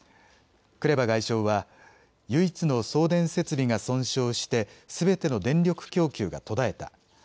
クレバ外相は唯一の送電設備が損傷してすべての電力供給が途絶えた。